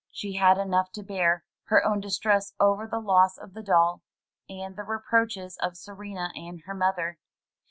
She had enough to bear — ^her own distress over the loss of the doll, and the reproaches of Serena and her mother.